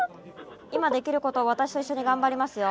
今できることを私と一緒にがんばりますよ。